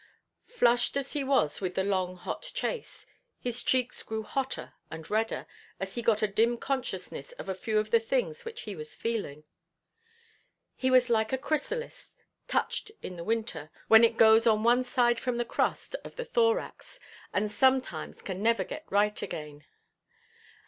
Flushed as he was with the long hot chase, his cheeks grew hotter and redder, as he got a dim consciousness of a few of the things which he was feeling. He was like a chrysalis, touched in the winter, when it goes on one side from the crust of the thorax, and sometimes can never get right again.